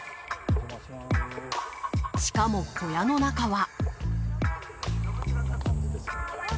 しかも小屋の中は。